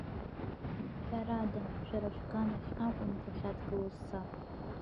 Ҳәарада, шәара шәганахь акәын дахьадгылоз саб.